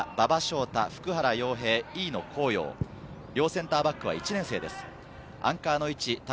両センターバックは１年生です。